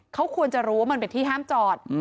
เขาควรจะรู้ว่ามันเป็นที่ห้ามจอด